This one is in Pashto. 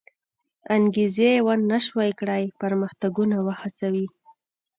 انګېزې و نه شوی کړای پرمختګونه وهڅوي.